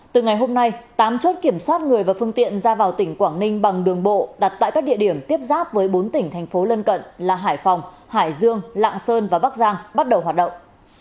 từ ngày hôm nay tám chốt kiểm soát người và phương tiện ra vào tỉnh quảng ninh bằng đường bộ đặt tại các địa điểm tiếp giáp với bốn tỉnh thành phố lân cận là hải phòng hải dương lạng sơn và bắc giang bắt đầu hoạt động